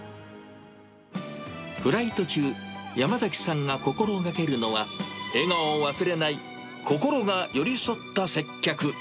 フライト中、山崎さんが心がけるのは、笑顔を忘れない、心が寄り添った接客。